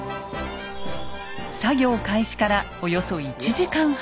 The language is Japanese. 作業開始からおよそ１時間半。